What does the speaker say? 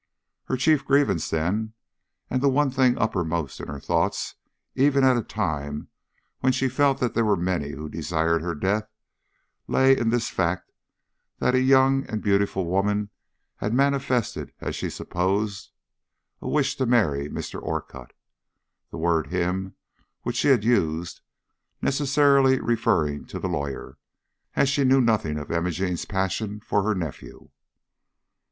Her chief grievance, then, and the one thing uppermost in her thoughts, even at a time when she felt that there were many who desired her death, lay in this fact that a young and beautiful woman had manifested, as she supposed, a wish to marry Mr. Orcutt, the word him which she had used, necessarily referring to the lawyer, as she knew nothing of Imogene's passion for her nephew.